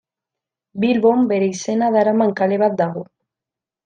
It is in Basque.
Bilbon bere izena daraman kale bat dago.